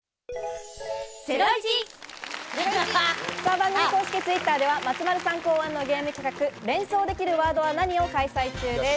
番組公式Ｔｗｉｔｔｅｒでは松丸さん考案のゲーム企画「連想できるワードは何！？」を開催中です。